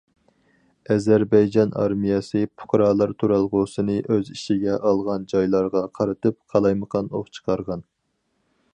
ئەزەربەيجان ئارمىيەسى پۇقرالار تۇرالغۇسىنى ئۆز ئىچىگە ئالغان جايلارغا قارىتىپ قالايمىقان ئوق چىقارغان.